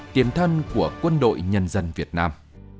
tiền thân của quân đội nhân dân việt nam